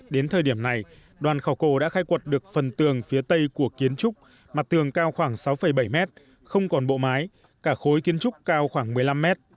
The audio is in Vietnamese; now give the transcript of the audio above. đến thời điểm này đoàn khảo cổ đã khai quật được phần tường phía tây của kiến trúc mặt tường cao khoảng sáu bảy mét không còn bộ mái cả khối kiến trúc cao khoảng một mươi năm m